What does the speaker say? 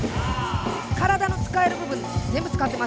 体の使える部分全部使ってますよね。